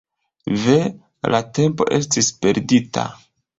Ve, la tempo estis perdita.